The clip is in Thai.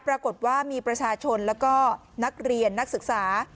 ปรากฏว่ามีประชาชนแล้วก็นักเรียนนักศึกษา